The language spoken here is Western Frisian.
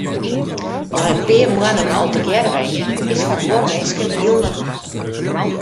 Nei in pear moannen al tegearre wenje is foar guon minsken hiel normaal.